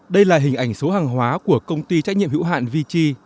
đây là hình ảnh số hàng hóa của công ty trách nhiệm hữu hạn vt